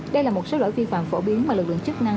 đây là một số lỗi vi phạm phổ biến mà lực lượng chức năng